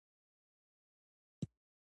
ادبیات دټولني هنداره ده.